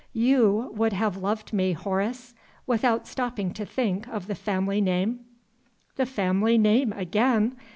"You would have loved me, Horace without stopping to think of the family name?" The family name again!